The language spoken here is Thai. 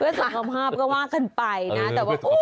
เพื่อนสุขภาพก็ว่ากันไปนะ